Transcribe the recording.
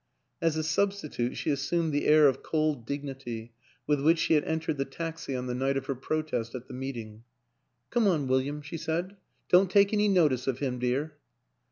As a substitute she assumed the air of cold dignity with which she had entered the taxi on the night of her protest at the meeting. 14 Come on, William," she said. " Don't take any notice of him, dear."